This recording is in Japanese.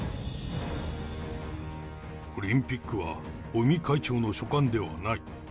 オリンピックは尾身会長の所管ではない。